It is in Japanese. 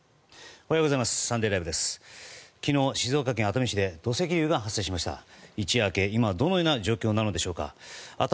昨日、静岡県熱海市で土石流が発生しました。